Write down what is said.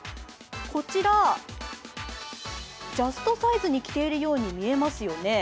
こちら、ジャストサイズに着ているように見えますよね。